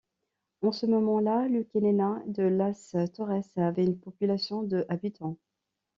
À ce moment-là, Lucainena de Las Torres avait une population de habitants.